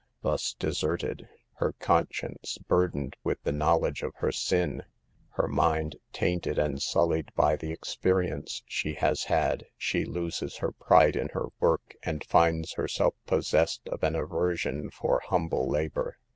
Thus deserted, her con science burdened with the knowledge of her Bin, her mind tainted and sullied by the experi ence she has had, she loses her pride in her work and finds herself possessed of an aversion for humble labor.